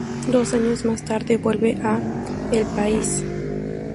Dos años más tarde vuelve a "El País".